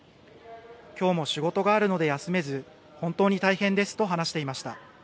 きょうも仕事があるので休めず、本当に大変ですと話していました。